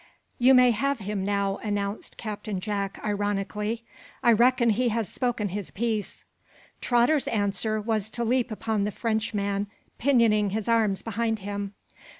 "You may have him now," announced Captain Jack, ironically. "I reckon he has spoken his piece." Trotter's answer was to leap upon the Frenchman, pinioning his arms behind him.